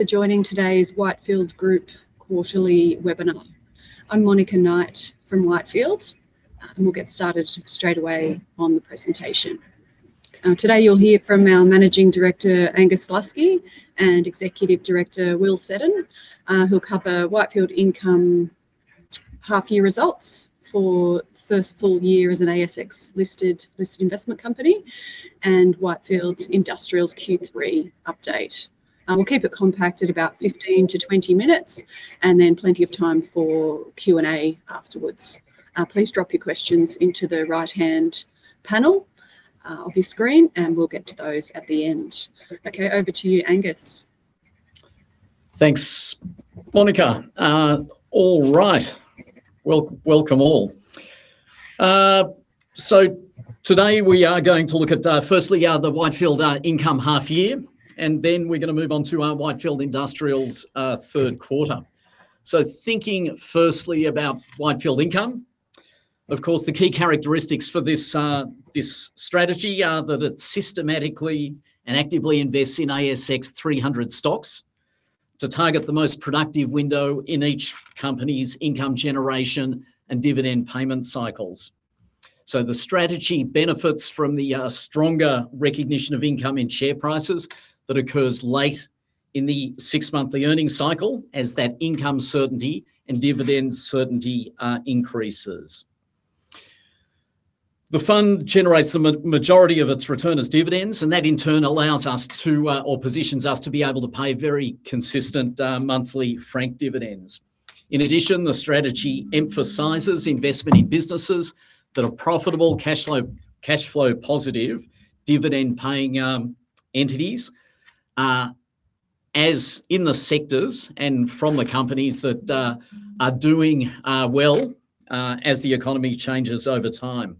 Thank you for joining today's Whitefield Group Quarterly Webinar. I'm Monica Knight from Whitefield, and we'll get started straight away on the presentation. Today you'll hear from our Managing Director, Angus Gluskie, and Executive Director, Will Seddon, who'll cover Whitefield Income half year results for first full year as an ASX listed investment company, and Whitefield Industrials' Q3 update. We'll keep it compacted about 15-20 minutes, and then plenty of time for Q&A afterwards. Please drop your questions into the right-hand panel of your screen, and we'll get to those at the end. Okay, over to you, Angus. Thanks, Monica. All right. Welcome all. Today we are going to look at, firstly, the Whitefield Income half-year, and then we're gonna move on to our Whitefield Industrials third quarter. Thinking firstly about Whitefield Income, of course, the key characteristics for this strategy are that it systematically and actively invests in ASX 300 stocks to target the most productive window in each company's income generation and dividend payment cycles. The strategy benefits from the stronger recognition of income in share prices that occurs late in the six-monthly earnings cycle as that income certainty and dividend certainty increases. The fund generates the majority of its return as dividends, and that in turn allows us to or positions us to be able to pay very consistent monthly franked dividends. In addition, the strategy emphasizes investment in businesses that are profitable, cashflow, cashflow positive, dividend-paying, entities, as in the sectors and from the companies that are doing well as the economy changes over time.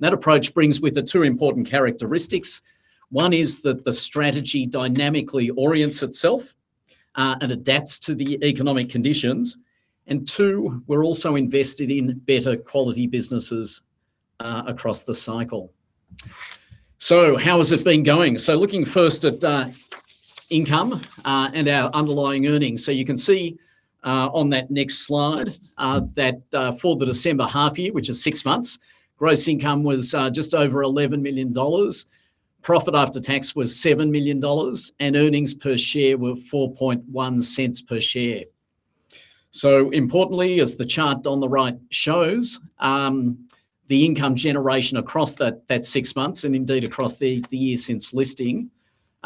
That approach brings with it two important characteristics. One is that the strategy dynamically orients itself and adapts to the economic conditions, and two, we're also invested in better quality businesses across the cycle. So how has it been going? So looking first at income and our underlying earnings. So you can see on that next slide that for the December half year, which is six months, gross income was just over 11 million dollars, profit after tax was 7 million dollars, and earnings per share were 0.041 per share. So importantly, as the chart on the right shows, the income generation across that six months, and indeed across the year since listing,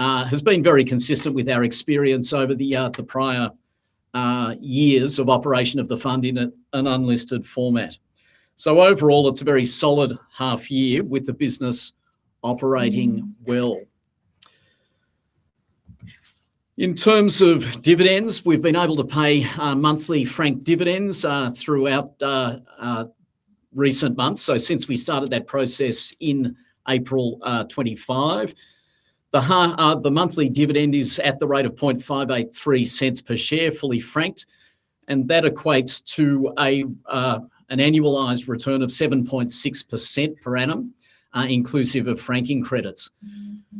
has been very consistent with our experience over the prior years of operation of the fund in an unlisted format. So overall, it's a very solid half year with the business operating well. In terms of dividends, we've been able to pay monthly franked dividends throughout recent months, so since we started that process in April 2025. The monthly dividend is at the rate of 0.00583 per share, fully franked, and that equates to an annualized return of 7.6% per annum, inclusive of franking credits.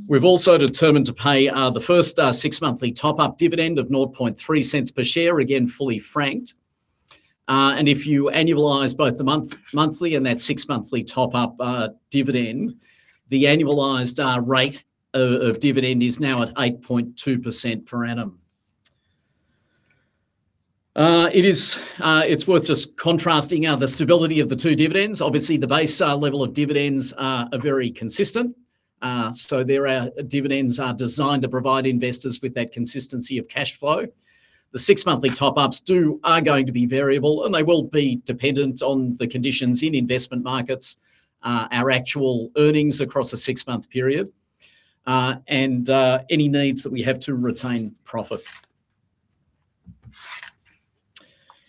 We've also determined to pay the first six monthly top-up dividend of 0.03 per share, again, fully franked. And if you annualize both the monthly and that six monthly top-up dividend, the annualized rate of dividend is now at 8.2% per annum. It is, it's worth just contrasting the stability of the two dividends. Obviously, the base level of dividends are very consistent, so their dividends are designed to provide investors with that consistency of cash flow. The six monthly top-ups are going to be variable, and they will be dependent on the conditions in investment markets, our actual earnings across a six-month period, and any needs that we have to retain profit.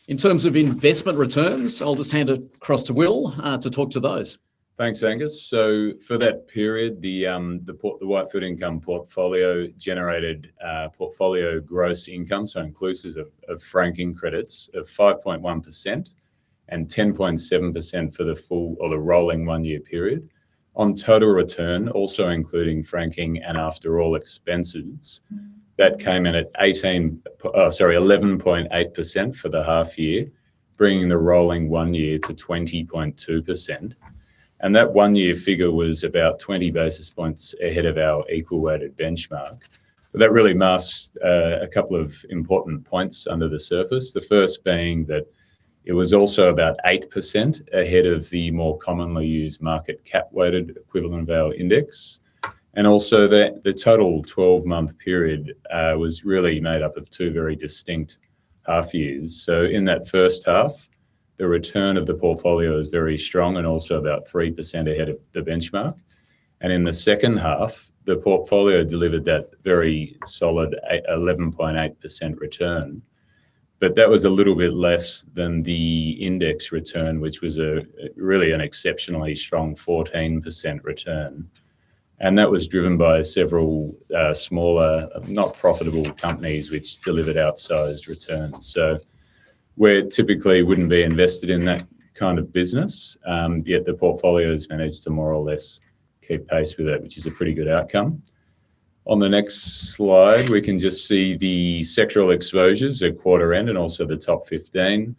In terms of investment returns, I'll just hand it across to Will, to talk to those. Thanks, Angus. So for that period, the Whitefield Income portfolio generated portfolio gross income, so inclusive of franking credits of 5.1% and 10.7% for the full or the rolling one-year period. On total return, also including franking and after all expenses, that came in at 11.8% for the half year, bringing the rolling one-year to 20.2%. And that one-year figure was about 20 basis points ahead of our equal weighted benchmark. That really masks a couple of important points under the surface. The first being that it was also about 8% ahead of the more commonly used market cap weighted equivalent value index, and also that the total 12-month period was really made up of two very distinct half years. So in that first half, the return of the portfolio was very strong and also about 3% ahead of the benchmark. And in the second half, the portfolio delivered that very solid 8.118% return. But that was a little bit less than the index return, which was a really an exceptionally strong 14% return, and that was driven by several, smaller, not profitable companies, which delivered outsized returns. So where it typically wouldn't be invested in that kind of business, yet the portfolio's managed to more or less keep pace with it, which is a pretty good outcome. On the next slide, we can just see the sectoral exposures at quarter end, and also the top 15.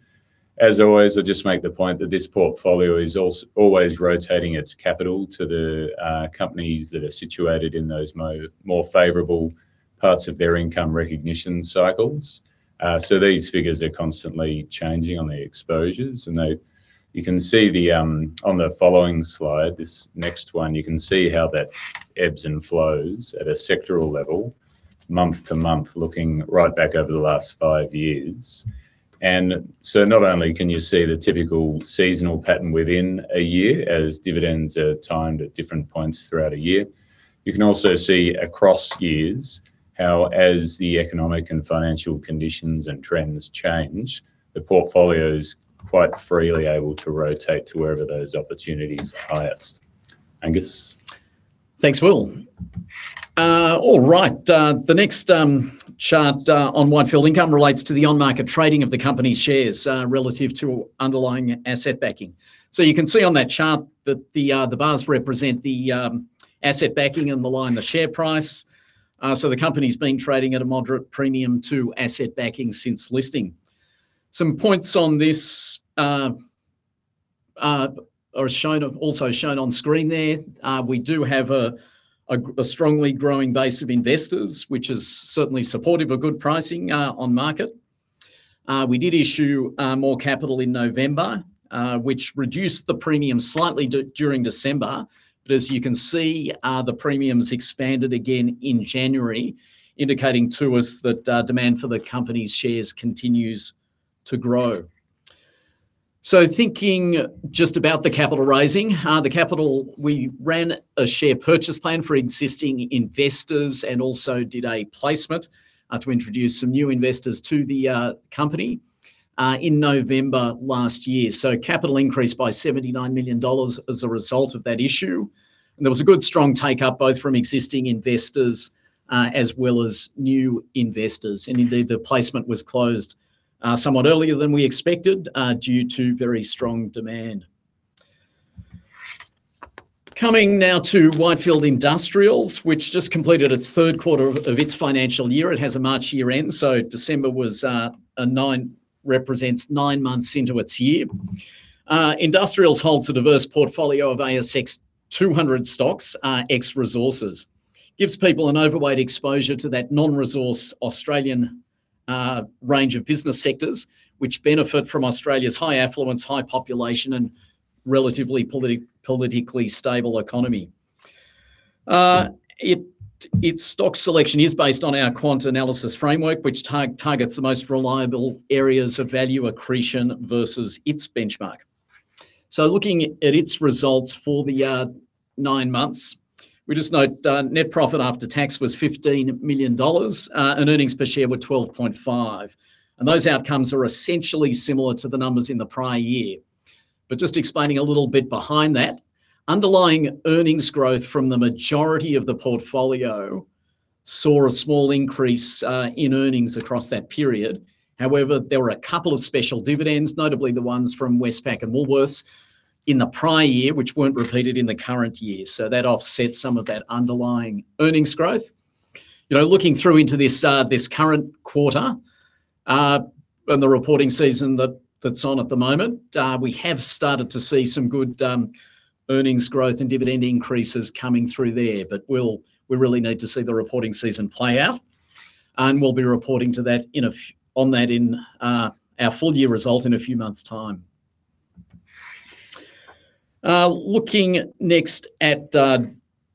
As always, I'll just make the point that this portfolio is also always rotating its capital to the companies that are situated in those more favorable parts of their income recognition cycles. So these figures are constantly changing on the exposures, and you can see the on the following slide, this next one, you can see how that ebbs and flows at a sectoral level, month to month, looking right back over the last five years. And so not only can you see the typical seasonal pattern within a year, as dividends are timed at different points throughout a year, you can also see across years how, as the economic and financial conditions and trends change, the portfolio's quite freely able to rotate to wherever those opportunities are highest. Angus? Thanks, Will. All right, the next chart on Whitefield Income relates to the on-market trading of the company's shares relative to underlying asset backing. So you can see on that chart that the bars represent the asset backing and the line, the share price. So the company's been trading at a moderate premium to asset backing since listing. Some points on this are also shown on screen there. We do have a strongly growing base of investors, which is certainly supportive of good pricing on market. We did issue more capital in November, which reduced the premium slightly during December. But as you can see, the premiums expanded again in January, indicating to us that demand for the company's shares continues to grow. So thinking just about the capital raising, the capital, we ran a share purchase plan for existing investors, and also did a placement, to introduce some new investors to the, company, in November last year. So capital increased by 79 million dollars as a result of that issue, and there was a good, strong take-up, both from existing investors, as well as new investors. And indeed, the placement was closed, somewhat earlier than we expected, due to very strong demand. Coming now to Whitefield Industrials, which just completed its third quarter of its financial year. It has a March year end, so December was represents nine months into its year. Industrials holds a diverse portfolio of ASX 200 stocks, ex-resources. Gives people an overweight exposure to that non-resource Australian range of business sectors, which benefit from Australia's high affluence, high population, and relatively politically stable economy. Its stock selection is based on our quant analysis framework, which targets the most reliable areas of value accretion versus its benchmark. So looking at its results for the nine months, we just note net profit after tax was 15 million dollars, and earnings per share were 0.125. And those outcomes are essentially similar to the numbers in the prior year. But just explaining a little bit behind that, underlying earnings growth from the majority of the portfolio saw a small increase in earnings across that period. However, there were a couple of special dividends, notably the ones from Westpac and Woolworths, in the prior year, which weren't repeated in the current year, so that offset some of that underlying earnings growth. You know, looking through into this current quarter and the reporting season that's on at the moment, we have started to see some good earnings growth and dividend increases coming through there. But we really need to see the reporting season play out, and we'll be reporting on that in our full year result in a few months' time. Looking next at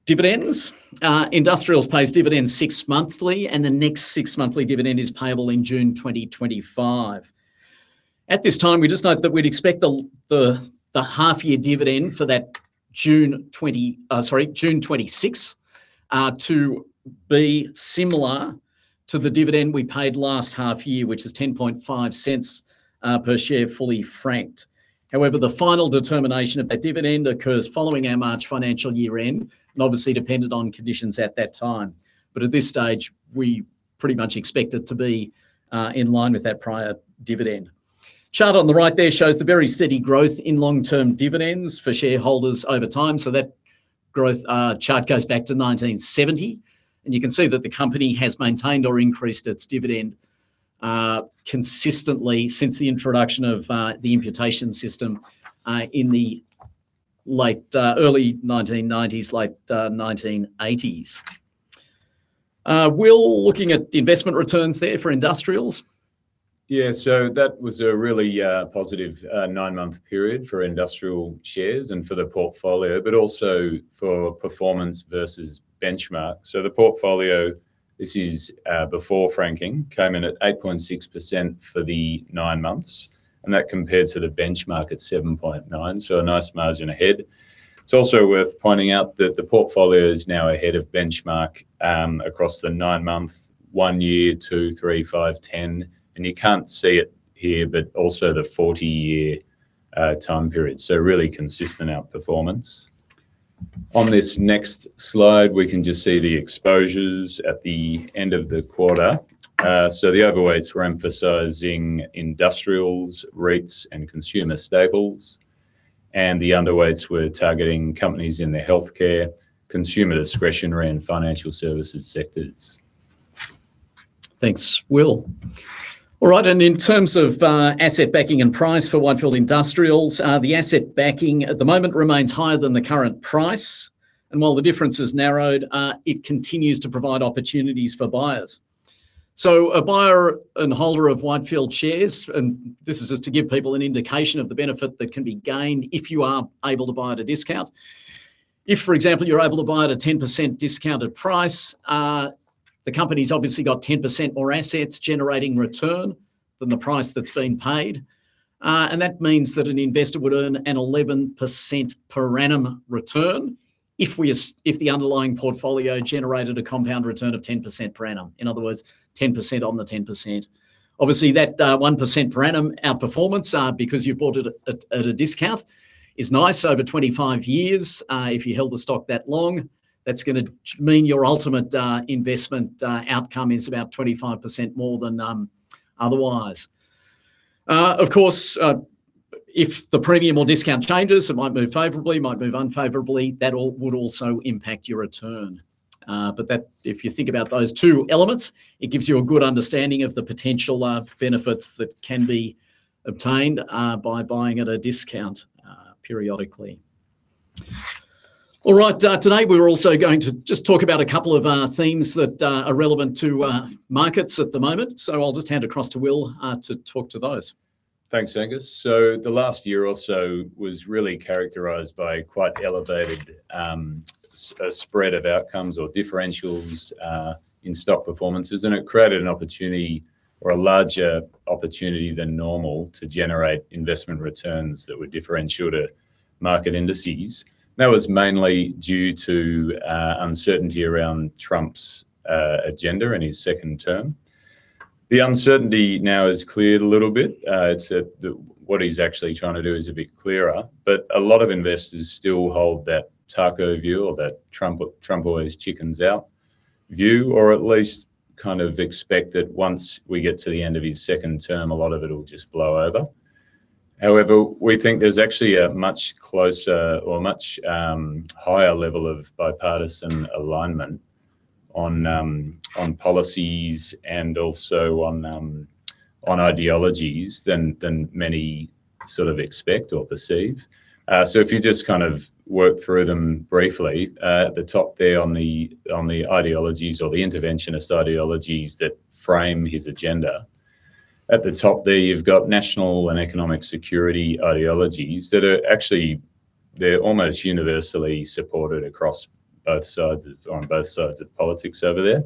dividends. Industrials pays dividends six monthly, and the next six-monthly dividend is payable in June 2025. At this time, we just note that we'd expect the half-year dividend for that June 26.. Sorry, June 26th to be similar to the dividend we paid last half year, which is 0.105 per share, fully franked. However, the final determination of that dividend occurs following our March financial year-end, and obviously dependent on conditions at that time. But at this stage, we pretty much expect it to be in line with that prior dividend. Chart on the right there shows the very steady growth in long-term dividends for shareholders over time. So that growth chart goes back to 1970, and you can see that the company has maintained or increased its dividend consistently since the introduction of the imputation system in the late 1980s. Will, looking at the investment returns there for Industrials. Yeah, so that was a really positive nine month period for industrial shares and for the portfolio, but also for performance versus benchmark. So the portfolio, this is before franking, came in at 8.6% for the nine months, and that compared to the benchmark at 7.9%, so a nice margin ahead. It's also worth pointing out that the portfolio is now ahead of benchmark across the nine month, one year, two, three, five, 10, and you can't see it here, but also the 40-year time period, so really consistent outperformance. On this next slide, we can just see the exposures at the end of the quarter. So the overweights were emphasizing industrials, REITs, and consumer staples, and the underweights were targeting companies in the healthcare, consumer discretionary, and financial services sectors. Thanks, Will. All right, in terms of asset backing and price for Whitefield Industrials, the asset backing at the moment remains higher than the current price, and while the difference is narrowed, it continues to provide opportunities for buyers. So a buyer and holder of Whitefield shares, and this is just to give people an indication of the benefit that can be gained if you are able to buy at a discount. If, for example, you're able to buy at a 10% discounted price, the company's obviously got 10% more assets generating return than the price that's been paid, and that means that an investor would earn an 11% per annum return if the underlying portfolio generated a compound return of 10% per annum. In other words, 10% on the 10%. Obviously, that 1% per annum outperformance, because you bought it at a discount, is nice over 25 years. If you held the stock that long, that's gonna mean your ultimate investment outcome is about 25% more than otherwise. Of course, if the premium or discount changes, it might move favorably, it might move unfavorably, that would also impact your return. But if you think about those two elements, it gives you a good understanding of the potential benefits that can be obtained by buying at a discount periodically. All right, today, we're also going to just talk about a couple of themes that are relevant to markets at the moment. So I'll just hand across to Will to talk to those. Thanks, Angus. So the last year or so was really characterized by quite elevated, a spread of outcomes or differentials, in stock performances, and it created an opportunity or a larger opportunity than normal to generate investment returns that were differential to market indices. That was mainly due to, uncertainty around Trump's, agenda in his second term. The uncertainty now has cleared a little bit. It's at the... What he's actually trying to do is a bit clearer, but a lot of investors still hold that TACO view or that Trump always chickens out view, or at least kind of expect that once we get to the end of his second term, a lot of it'll just blow over. However, we think there's actually a much closer or much higher level of bipartisan alignment on policies and also on ideologies than many sort of expect or perceive. So if you just kind of work through them briefly, at the top there on the ideologies or the interventionist ideologies that frame his agenda, at the top there, you've got national and economic security ideologies that are actually, they're almost universally supported across both sides, on both sides of politics over there.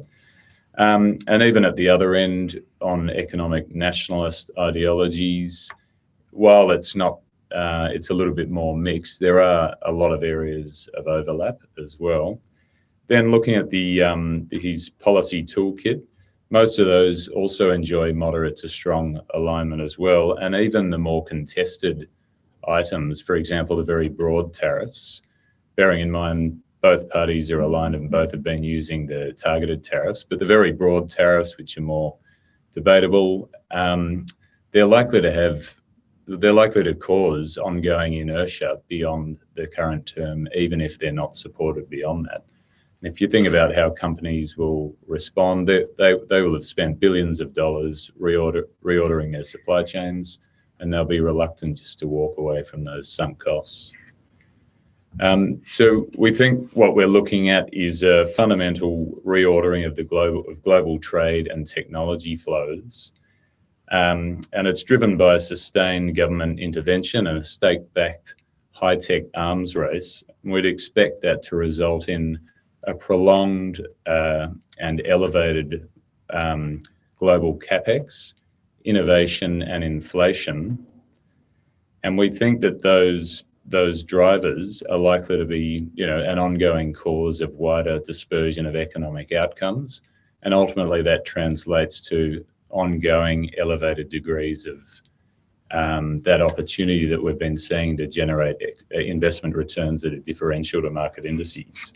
And even at the other end, on economic nationalist ideologies, while it's not, it's a little bit more mixed, there are a lot of areas of overlap as well. Then, looking at his policy toolkit, most of those also enjoy moderate to strong alignment as well, and even the more contested items, for example, the very broad tariffs, bearing in mind both parties are aligned and both have been using the targeted tariffs, but the very broad tariffs, which are more debatable, they're likely to cause ongoing inertia beyond the current term, even if they're not supported beyond that. And if you think about how companies will respond, they will have spent billions of dollars reordering their supply chains, and they'll be reluctant just to walk away from those sunk costs. So we think what we're looking at is a fundamental reordering of the global trade and technology flows, and it's driven by a sustained government intervention and a state-backed, high-tech arms race. We'd expect that to result in a prolonged and elevated global CapEx, innovation, and inflation. We think that those drivers are likely to be, you know, an ongoing cause of wider dispersion of economic outcomes, and ultimately, that translates to ongoing elevated degrees of that opportunity that we've been seeing to generate investment returns at a differential to market indices.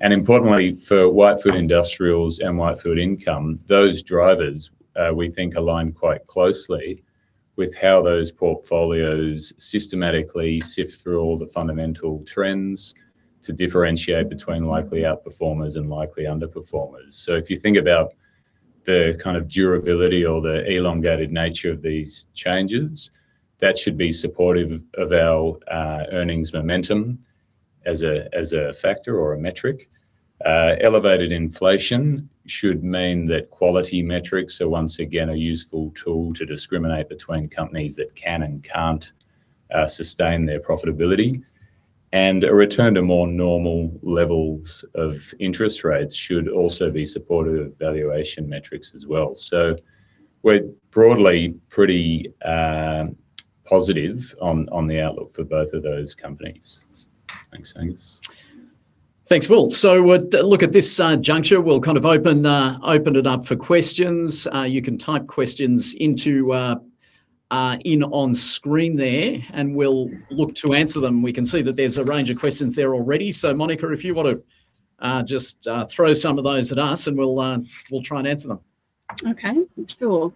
Importantly, for Whitefield Industrials and Whitefield Income, those drivers we think align quite closely with how those portfolios systematically sift through all the fundamental trends to differentiate between likely outperformers and likely underperformers. So if you think about the kind of durability or the elongated nature of these changes, that should be supportive of our earnings momentum as a factor or a metric. Elevated inflation should mean that quality metrics are once again a useful tool to discriminate between companies that can and can't sustain their profitability. And a return to more normal levels of interest rates should also be supportive of valuation metrics as well. So we're broadly pretty positive on the outlook for both of those companies. Thanks, Angus.... Thanks, Will. So, well, look at this juncture, we'll kind of open it up for questions. You can type questions into the chat on screen there, and we'll look to answer them. We can see that there's a range of questions there already. So Monica, if you want to just throw some of those at us, and we'll try and answer them. Okay, sure.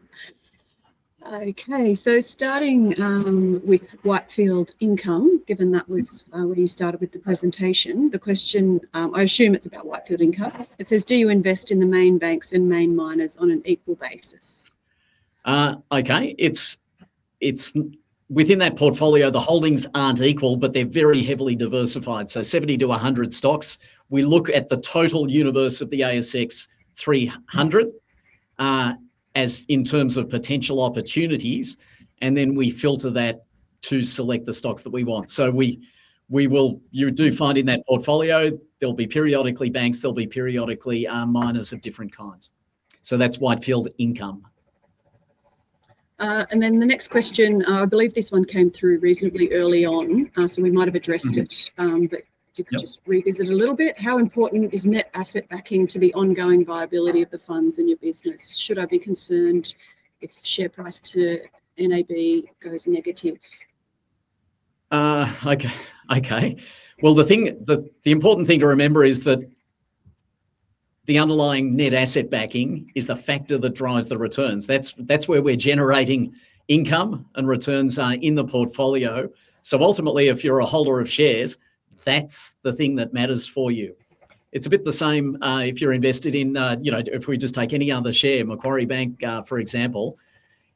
Okay, so starting with Whitefield Income, given that was where you started with the presentation, the question, I assume it's about Whitefield Income. It says, "Do you invest in the main banks and main miners on an equal basis? Okay. It's, it's within that portfolio, the holdings aren't equal, but they're very heavily diversified, so 70-100 stocks. We look at the total universe of the ASX 300 as in terms of potential opportunities, and then we filter that to select the stocks that we want. You do find in that portfolio, there'll be periodically banks, there'll be periodically miners of different kinds. So that's Whitefield Income. And then the next question, I believe this one came through reasonably early on, so we might have addressed it. Mm-hmm... but you could just- Yep... revisit a little bit. How important is net asset backing to the ongoing viability of the funds in your business? Should I be concerned if share price to NAV goes negative? Okay, well, the important thing to remember is that the underlying net asset backing is the factor that drives the returns. That's where we're generating income and returns in the portfolio. So ultimately, if you're a holder of shares, that's the thing that matters for you. It's a bit the same if you're invested in, you know, if we just take any other share, Macquarie Bank for example,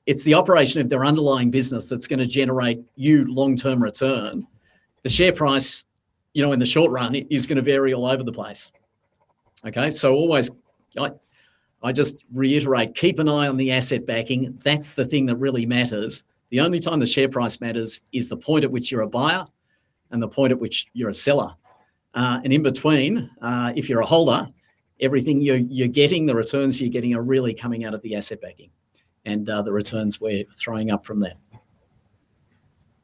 it's the operation of their underlying business that's gonna generate you long-term return. The share price, you know, in the short run, is gonna vary all over the place. Okay? So always, I just reiterate, keep an eye on the asset backing. That's the thing that really matters. The only time the share price matters is the point at which you're a buyer and the point at which you're a seller. And in between, if you're a holder, everything you're getting, the returns you're getting are really coming out of the asset backing, and the returns we're throwing up from that.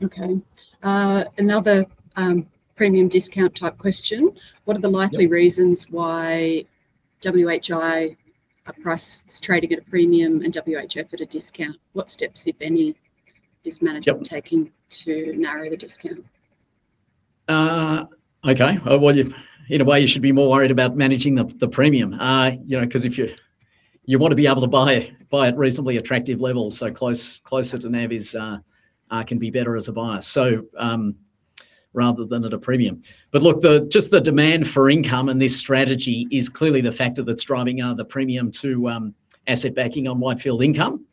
Okay. Another premium discount type question: What are the likely reasons- Yep... why WHI price is trading at a premium and WHF at a discount? What steps, if any, is management- Yep... taking to narrow the discount? Okay. Well, in a way, you should be more worried about managing the premium. You know, 'cause if you want to be able to buy at reasonably attractive levels, so closer to NAV is can be better as a buyer, so, rather than at a premium. But look, just the demand for income in this strategy is clearly the factor that's driving the premium to asset backing on Whitefield Income.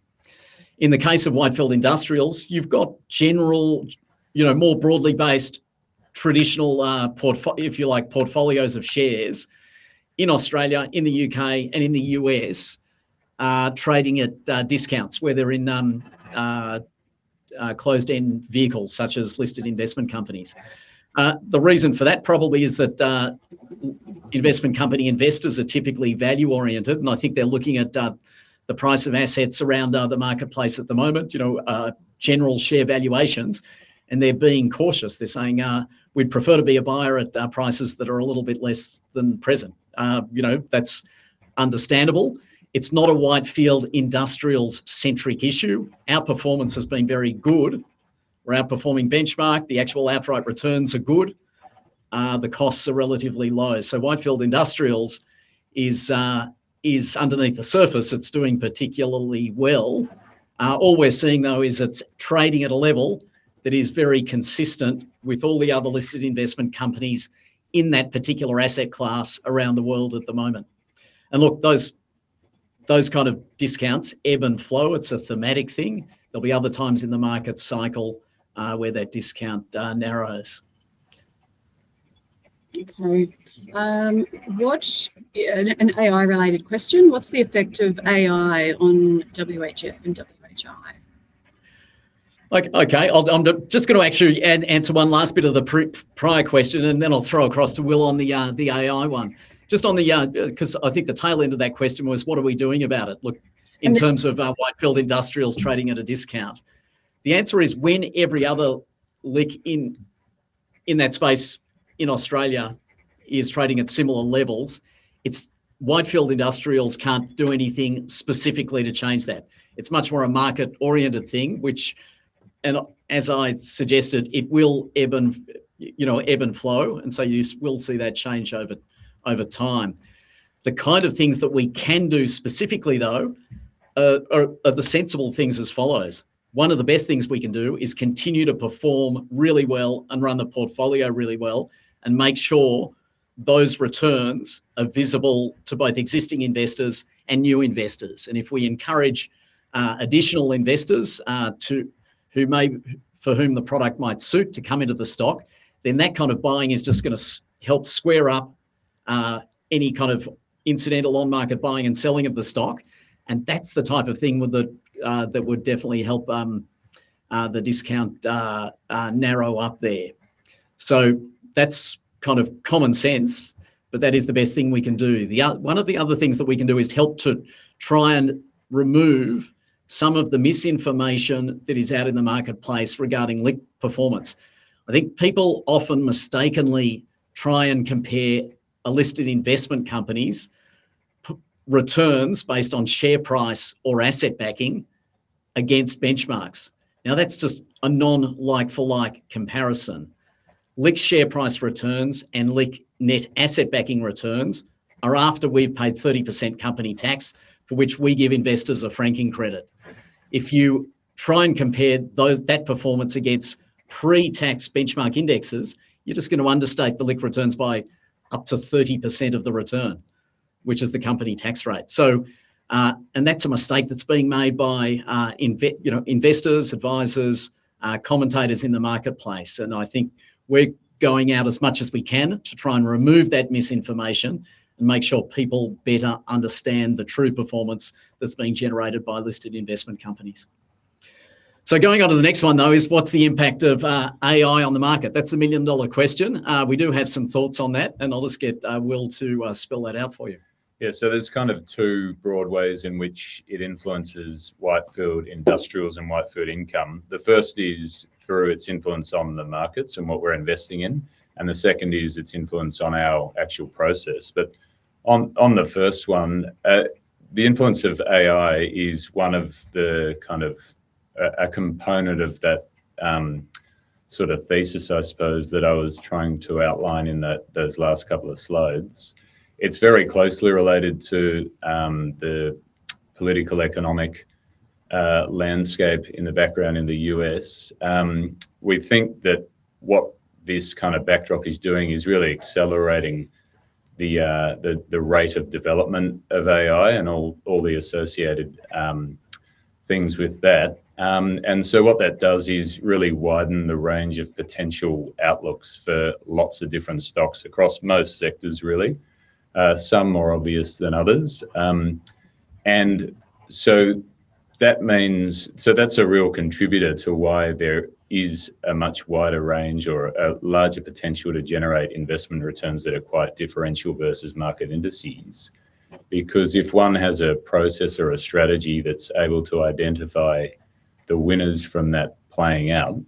In the case of Whitefield Industrials, you've got general, you know, more broadly based traditional, if you like, portfolios of shares in Australia, in the U.K., and in the U.S., trading at discounts, whether in closed-end vehicles, such as listed investment companies. The reason for that probably is that investment company investors are typically value-oriented, and I think they're looking at the price of assets around the marketplace at the moment, you know, general share valuations, and they're being cautious. They're saying, "We'd prefer to be a buyer at prices that are a little bit less than present." You know, that's understandable. It's not a Whitefield Industrials-centric issue. Our performance has been very good. We're outperforming benchmark, the actual outright returns are good, the costs are relatively low. So Whitefield Industrials is underneath the surface, it's doing particularly well. All we're seeing, though, is it's trading at a level that is very consistent with all the other listed investment companies in that particular asset class around the world at the moment. Look, those kind of discounts ebb and flow. It's a thematic thing. There'll be other times in the market cycle, where that discount narrows. Okay. An AI-related question: What's the effect of AI on WHF and WHI? Like, okay, I'm just gonna actually answer one last bit of the prior question, and then I'll throw across to Will on the AI one. Just on the 'cause I think the tail end of that question was, what are we doing about it? Look- And-... in terms of Whitefield Industrials trading at a discount. The answer is, when every other LIC in that space in Australia is trading at similar levels, it's Whitefield Industrials can't do anything specifically to change that. It's much more a market-oriented thing, which and as I suggested, it will ebb and, you know, ebb and flow, and so you will see that change over time. The kind of things that we can do specifically, though, are the sensible things as follows: One of the best things we can do is continue to perform really well and run the portfolio really well and make sure those returns are visible to both existing investors and new investors. And if we encourage additional investors to, who may, for whom the product might suit, to come into the stock, then that kind of buying is just gonna help square up any kind of incidental on-market buying and selling of the stock, and that's the type of thing that would definitely help the discount narrow up there. So that's kind of common sense, but that is the best thing we can do. One of the other things that we can do is help to try and remove some of the misinformation that is out in the marketplace regarding LIC performance. I think people often mistakenly try and compare a listed investment company's returns based on share price or asset backing against benchmarks. Now, that's just a non-like-for-like comparison. LIC share price returns and LIC net asset backing returns are after we've paid 30% company tax, for which we give investors a franking credit. If you try and compare those that performance against pre-tax benchmark indexes, you're just going to understate the LIC returns by up to 30% of the return, which is the company tax rate. So, and that's a mistake that's being made by, you know, investors, advisors, commentators in the marketplace, and I think we're going out as much as we can to try and remove that misinformation and make sure people better understand the true performance that's being generated by listed investment companies. So going on to the next one, though, is: What's the impact of AI on the market? That's the million-dollar question. We do have some thoughts on that, and I'll just get Will to spell that out for you. Yeah. So there's kind of two broad ways in which it influences Whitefield Industrials and Whitefield Income. The first is through its influence on the markets and what we're investing in, and the second is its influence on our actual process. But on the first one, the influence of AI is one of the kind of, a component of that sort of thesis, I suppose, that I was trying to outline in those last couple of slides. It's very closely related to the political, economic landscape in the background in the U.S. We think that what this kind of backdrop is doing is really accelerating the rate of development of AI and all the associated things with that. And so what that does is really widen the range of potential outlooks for lots of different stocks across most sectors, really, some more obvious than others. And so that means. So that's a real contributor to why there is a much wider range or a larger potential to generate investment returns that are quite differential versus market indices. Because if one has a process or a strategy that's able to identify the winners from that playing out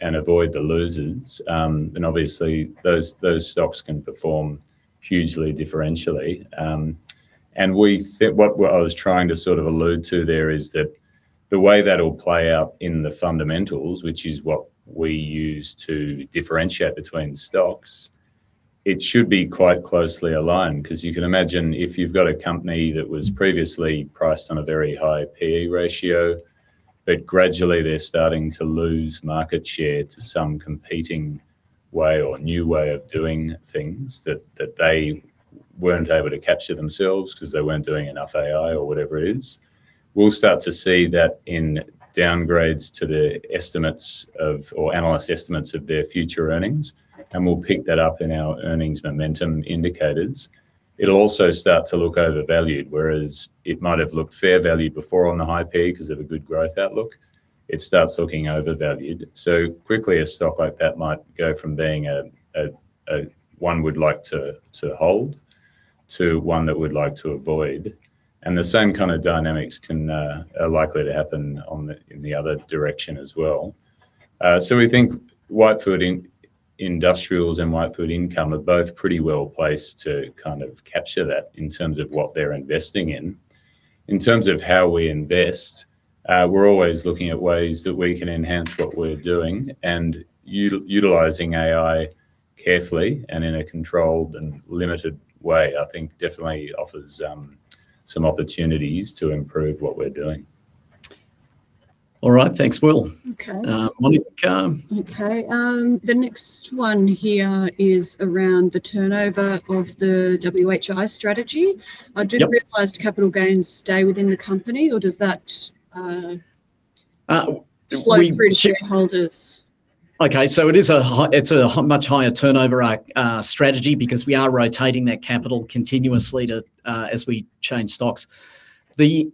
and avoid the losers, then obviously, those, those stocks can perform hugely differentially. And we think- what, what I was trying to sort of allude to there is that the way that'll play out in the fundamentals, which is what we use to differentiate between stocks, it should be quite closely aligned. 'Cause you can imagine, if you've got a company that was previously priced on a very high P/E ratio, but gradually they're starting to lose market share to some competing way or new way of doing things that they weren't able to capture themselves 'cause they weren't doing enough AI or whatever it is, we'll start to see that in downgrades to the estimates of... or analyst estimates of their future earnings, and we'll pick that up in our earnings momentum indicators. It'll also start to look overvalued, whereas it might have looked fair value before on the high P/E, 'cause of a good growth outlook, it starts looking overvalued. So quickly, a stock like that might go from being a one we'd like to hold to one that we'd like to avoid. The same kind of dynamics can are likely to happen on the, in the other direction as well. We think Whitefield Industrials and Whitefield Income are both pretty well-placed to kind of capture that in terms of what they're investing in. In terms of how we invest, we're always looking at ways that we can enhance what we're doing, and utilizing AI carefully and in a controlled and limited way, I think definitely offers some opportunities to improve what we're doing. All right. Thanks, Will. Okay. Monica, Okay, the next one here is around the turnover of the WHI strategy. Yep. Do the realized capital gains stay within the company, or does that, Uh, we- flow through to shareholders? Okay, so it's a much higher turnover strategy because we are rotating that capital continuously as we change stocks. We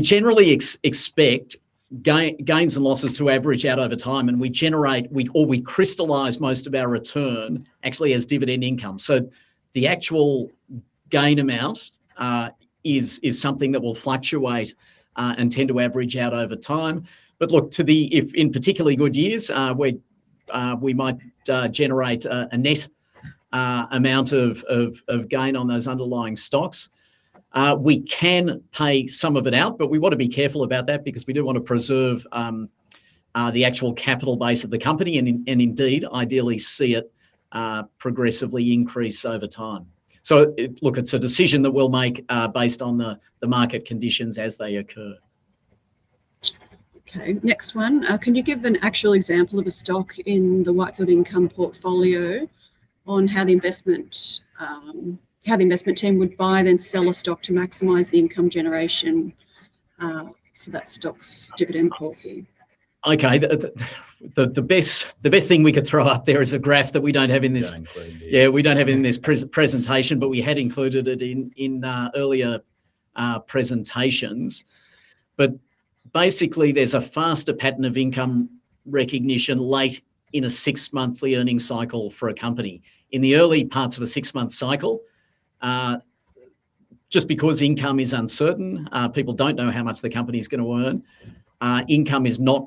generally expect gains and losses to average out over time, and we crystallize most of our return actually as dividend income. So the actual gain amount is something that will fluctuate and tend to average out over time. But look, if in particularly good years, we might generate a net amount of gain on those underlying stocks. We can pay some of it out, but we want to be careful about that because we do want to preserve the actual capital base of the company, and indeed, ideally see it progressively increase over time. So, look, it's a decision that we'll make, based on the market conditions as they occur. Okay, next one. Can you give an actual example of a stock in the Whitefield Income portfolio on how the investment team would buy and then sell a stock to maximize the income generation for that stock's dividend policy? Okay. The best thing we could throw up there is a graph that we don't have in this- Don't include here. Yeah, we don't have in this presentation, but we had included it in earlier presentations. But basically, there's a faster pattern of income recognition late in a six-monthly earnings cycle for a company. In the early parts of a six-month cycle, just because income is uncertain, people don't know how much the company is going to earn, income is not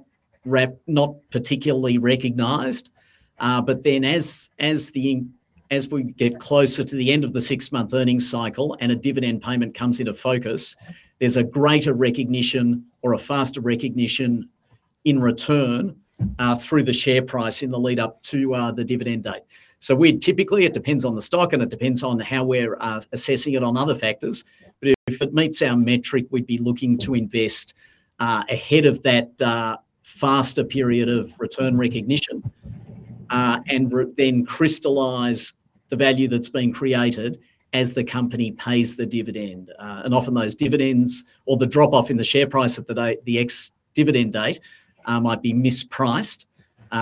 particularly recognized. But then as we get closer to the end of the six-month earnings cycle and a dividend payment comes into focus, there's a greater recognition or a faster recognition in return through the share price in the lead up to the dividend date. So we'd typically, it depends on the stock, and it depends on how we're assessing it on other factors, but if it meets our metric, we'd be looking to invest ahead of that faster period of return recognition, and then crystallize the value that's been created as the company pays the dividend. And often those dividends or the drop-off in the share price at the date, the ex-dividend date, might be mispriced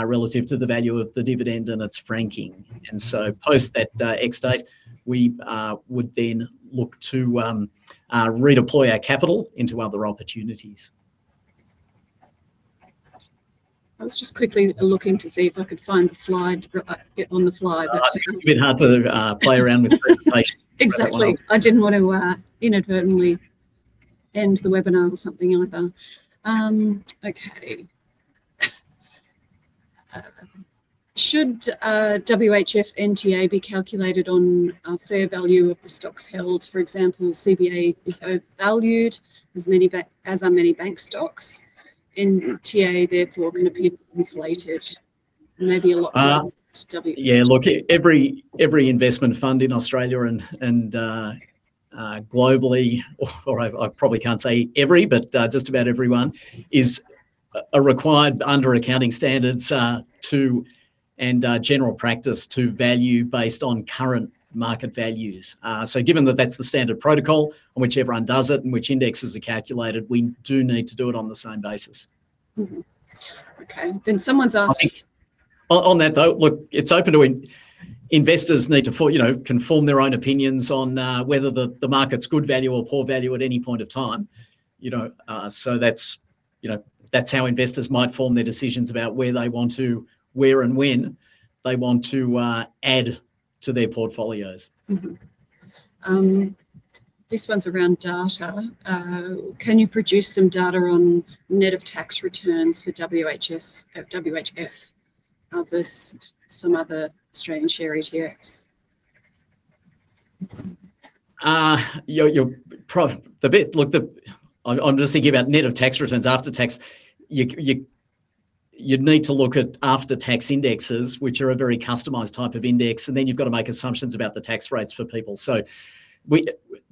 relative to the value of the dividend and its franking. And so post that ex date, we would then look to redeploy our capital into other opportunities. I was just quickly looking to see if I could find the slide, but I... on the fly. A bit hard to play around with the presentation. Exactly. I didn't want to inadvertently end the webinar or something like that. Okay. Should WHF NTA be calculated on a fair value of the stocks held? For example, CBA is overvalued as are many bank stocks. NTA, therefore, can appear inflated, maybe a lot to WH- Yeah, look, every investment fund in Australia and globally, or I probably can't say every, but just about everyone, are required under accounting standards, and general practice, to value based on current market values. So given that that's the standard protocol on which everyone does it and which indexes are calculated, we do need to do it on the same basis. Mm-hmm. Okay, then someone's asked- On that, though, look, it's open to when investors need to, you know, conform their own opinions on whether the market's good value or poor value at any point of time, you know? So that's, you know, that's how investors might form their decisions about where they want to, where and when they want to add to their portfolios. Mm-hmm. This one's around data. Can you produce some data on net of tax returns for WHI, WHF versus some other Australian share ETF? You're probably thinking about net of tax returns after tax. You'd need to look at after-tax indexes, which are a very customized type of index, and then you've got to make assumptions about the tax rates for people. So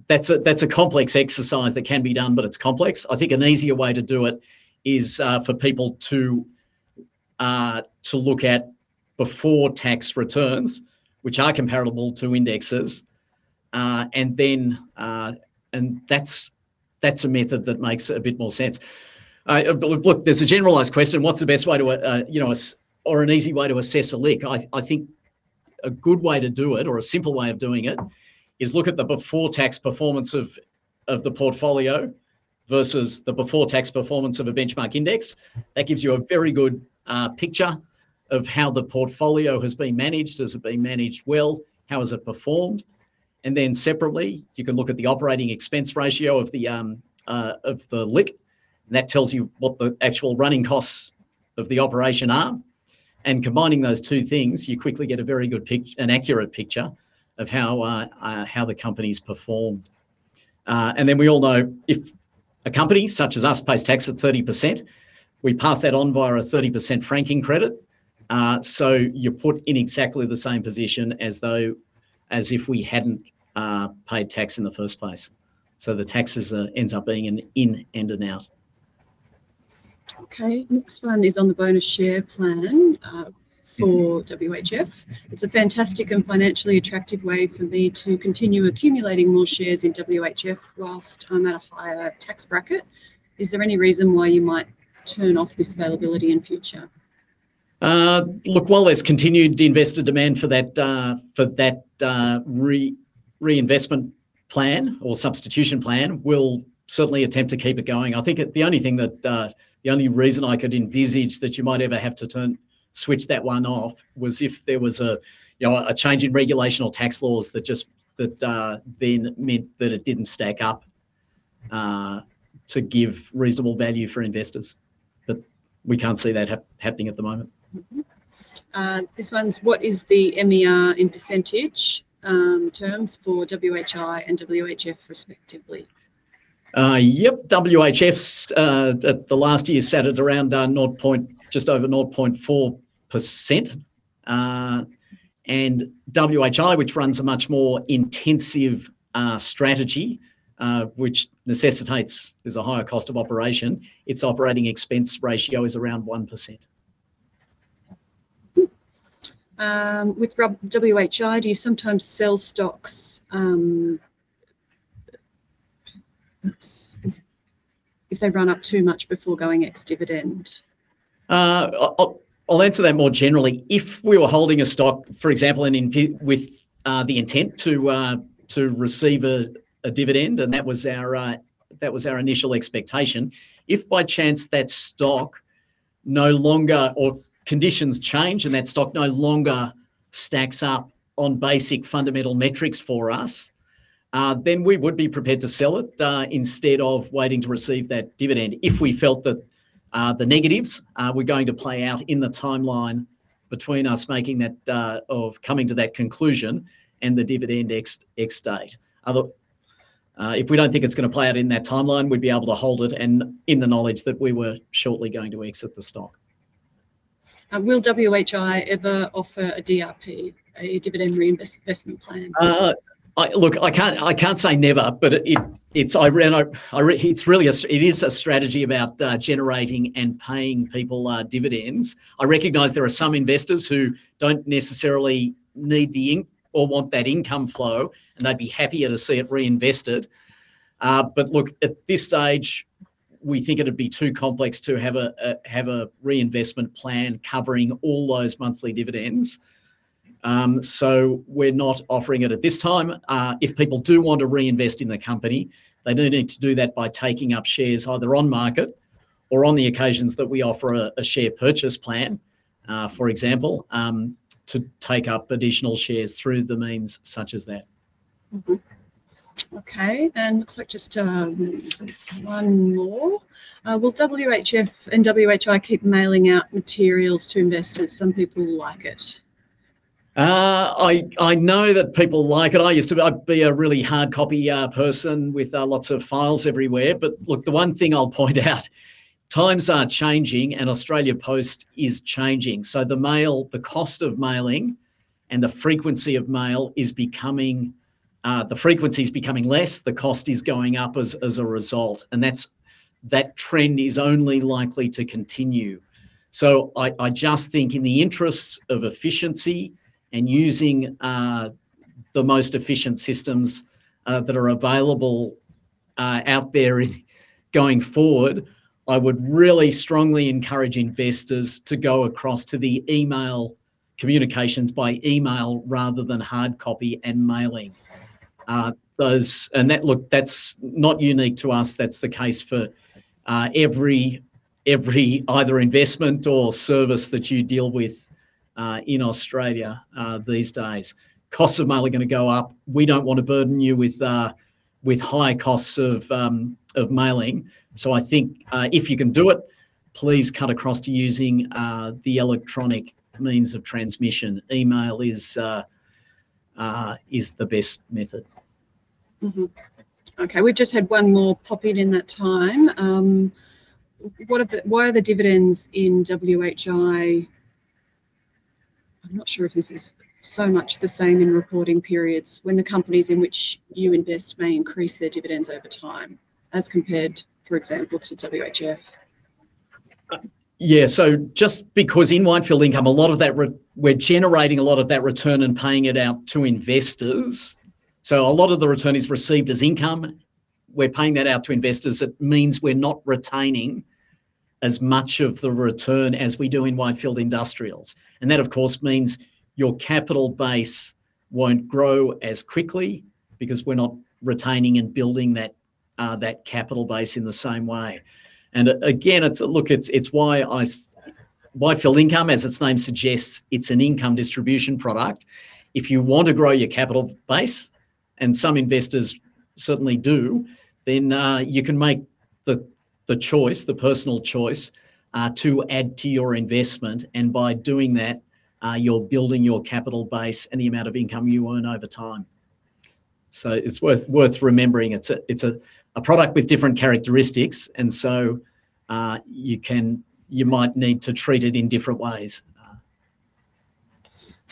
that's a complex exercise that can be done, but it's complex. I think an easier way to do it is for people to look at before tax returns, which are comparable to indexes, and then... And that's a method that makes a bit more sense. But look, there's a generalized question: What's the best way to, you know, or an easy way to assess a LIC? I think a good way to do it, or a simple way of doing it, is look at the before-tax performance of the portfolio versus the before-tax performance of a benchmark index. That gives you a very good picture of how the portfolio has been managed. Has it been managed well? How has it performed? And then separately, you can look at the operating expense ratio of the LIC, and that tells you what the actual running costs of the operation are. And combining those two things, you quickly get a very good, an accurate picture of how the company's performed. And then we all know if a company, such as us, pays tax at 30%, we pass that on via a 30% franking credit. So you're put in exactly the same position as though, as if we hadn't paid tax in the first place. So the taxes ends up being an in and an out. Okay, next one is on the bonus share plan for WHF. It's a fantastic and financially attractive way for me to continue accumulating more shares in WHF while I'm at a higher tax bracket. Is there any reason why you might turn off this availability in future? Look, while there's continued investor demand for that reinvestment plan or substitution plan, we'll certainly attempt to keep it going. I think the only thing that the only reason I could envisage that you might ever have to turn switch that one off was if there was a you know a change in regulation or tax laws that just then meant that it didn't stack up to give reasonable value for investors. But we can't see that happening at the moment. Mm-hmm. This one's: What is the MER in percentage terms for WHI and WHF respectively? Yep. WHF's, at the last year, sat at around, just over 0.4%. And WHI, which runs a much more intensive strategy, which necessitates there's a higher cost of operation, its operating expense ratio is around 1%. With WHI, do you sometimes sell stocks, if they run up too much before going ex-dividend?... I'll answer that more generally. If we were holding a stock, for example, with the intent to receive a dividend, and that was our initial expectation, if by chance that stock no longer or conditions change, and that stock no longer stacks up on basic fundamental metrics for us, then we would be prepared to sell it instead of waiting to receive that dividend. If we felt that the negatives were going to play out in the timeline between us coming to that conclusion and the dividend ex-date. Otherwise, if we don't think it's gonna play out in that timeline, we'd be able to hold it and in the knowledge that we were shortly going to exit the stock. Will WHI ever offer a DRP, a dividend reinvestment plan? Look, I can't say never, but it's really a strategy about generating and paying people dividends. I recognize there are some investors who don't necessarily need the income or want that income flow, and they'd be happier to see it reinvested. But look, at this stage, we think it'd be too complex to have a reinvestment plan covering all those monthly dividends. So we're not offering it at this time. If people do want to reinvest in the company, they do need to do that by taking up shares, either on market or on the occasions that we offer a share purchase plan, for example, to take up additional shares through the means such as that. Mm-hmm. Okay, and looks like just one more. Will WHF and WHI keep mailing out materials to investors? Some people like it. I, I know that people like it. I used to-- I'd be a really hard copy person with lots of files everywhere. But look, the one thing I'll point out, times are changing, and Australia Post is changing. So the mail, the cost of mailing and the frequency of mail is becoming, the frequency is becoming less, the cost is going up as a result, and that's, that trend is only likely to continue. So I, I just think in the interests of efficiency and using the most efficient systems that are available out there in going forward, I would really strongly encourage investors to go across to the email, communications by email rather than hard copy and mailing. Those- and that, look, that's not unique to us. That's the case for every either investment or service that you deal with in Australia these days. Costs of mailing are gonna go up. We don't want to burden you with high costs of mailing. So I think, if you can do it, please cut across to using the electronic means of transmission. Email is the best method. Mm-hmm. Okay, we've just had one more pop in in that time. Why are the dividends in WHI... I'm not sure if this is so much the same in reporting periods, when the companies in which you invest may increase their dividends over time, as compared, for example, to WHF? Yeah, so just because in Whitefield Income, a lot of that return we're generating a lot of that return and paying it out to investors, so a lot of the return is received as income. We're paying that out to investors. It means we're not retaining as much of the return as we do in Whitefield Industrials. And that, of course, means your capital base won't grow as quickly because we're not retaining and building that capital base in the same way. And again, look, it's why I say Whitefield Income, as its name suggests, it's an income distribution product. If you want to grow your capital base, and some investors certainly do, then you can make the choice, the personal choice, to add to your investment, and by doing that, you're building your capital base and the amount of income you earn over time. So it's worth remembering. It's a product with different characteristics, and so you might need to treat it in different ways.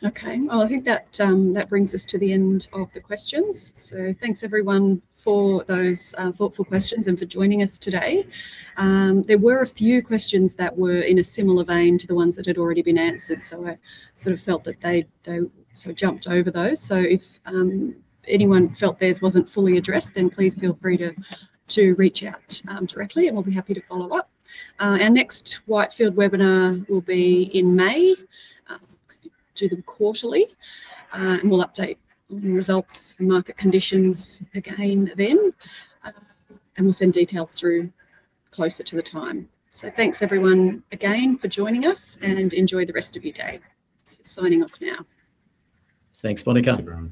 Okay. Well, I think that that brings us to the end of the questions. So thanks, everyone, for those thoughtful questions and for joining us today. There were a few questions that were in a similar vein to the ones that had already been answered, so I sort of felt that they jumped over those. So if anyone felt theirs wasn't fully addressed, then please feel free to reach out directly, and we'll be happy to follow up. Our next Whitefield webinar will be in May. Do them quarterly, and we'll update on results and market conditions again then, and we'll send details through closer to the time. So thanks everyone again for joining us, and enjoy the rest of your day. Signing off now. Thanks, Monica. Thanks, everyone.